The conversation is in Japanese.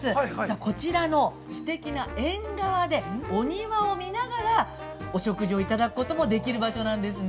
こちらのすてきな縁側で、お庭を見ながらお食事をいただくこともできる場所なんですね。